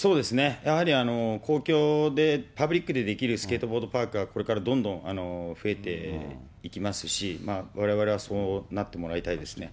やはり公共でパブリックでできるスケートボードパークが、これからどんどん増えていきますし、われわれはそうなってもらいたいですね。